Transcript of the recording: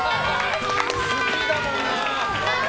好きだもんな。